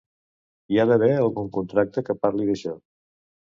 Hi ha d'haver algun contracte que parli d'això.